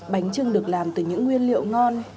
bánh trưng được làm từ những nguyên liệu ngon